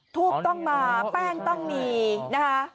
ทูบต้องมาแป้งต้องมีนะคะ